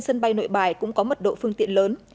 sân bay nội bài cũng có mật độ phương tiện lớn